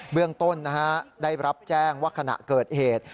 เรื่องต้นได้รับแจ้งว่าขณะเกิดเหตุ